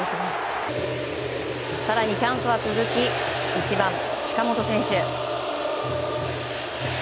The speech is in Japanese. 更にチャンスは続き１番、近本選手。